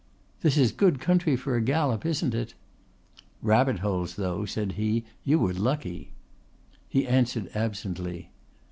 "This is good country for a gallop, isn't it?" "Rabbit holes though," said he. "You were lucky." He answered absently.